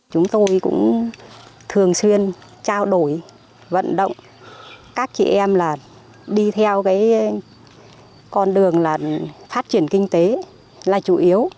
chúng tôi cũng thường xuyên trao đổi vận động các chị em đi theo con đường phát triển kinh tế là chủ yếu